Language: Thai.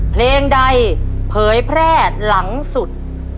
เพลงใดเผยแพร่หลังสุด